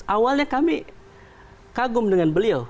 awalnya kami kagum dengan beliau